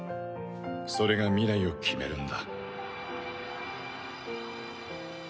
それが未来を決めるんだ。